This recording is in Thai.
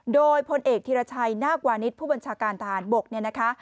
โดยพลเอกธีรชัยนากวานิตผู้บัญชาการทหารบก